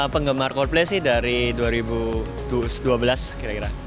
penggemar coldplay sih dari dua ribu dua belas kira kira